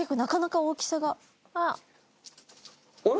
あれ？